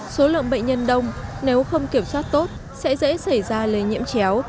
số lượng bệnh nhân đông nếu không kiểm soát tốt sẽ dễ xảy ra lây nhiễm chéo